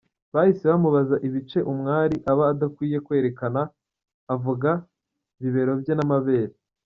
Bahise bamubaza ibice umwari aba adakwiye kwerekana avuga ’bibero bye n’amabere’.